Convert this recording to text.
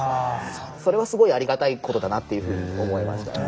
それはすごいありがたいことだなっていうふうに思いましたね。